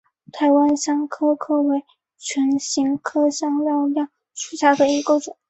台湾香科科为唇形科香科科属下的一个种。